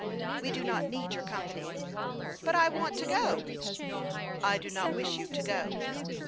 " We do not need your company." "But I want to go." " I do not wish you to go."